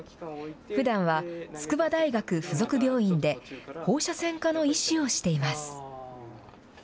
ふだんは筑波大学付属病院で放射線科の医師をしています。